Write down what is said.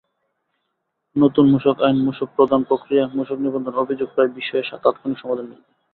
নতুন মূসক আইন, মূসক প্রদান-প্রক্রিয়া, মূসক নিবন্ধন, অভিযোগ—প্রায় বিষয়ে তাৎক্ষণিক সমাধান মিলবে।